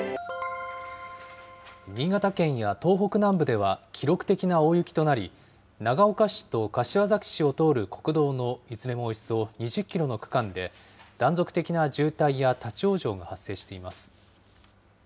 新潟県や東北南部では、記録的な大雪となり、長岡市と柏崎市を通る国道のいずれもおよそ２０キロの区間で、断続的な渋滞や立往生が発生しています。